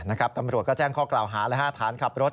นะครับตำรวจก็แจ้งข้อกล่าวหาและฐานขับรถ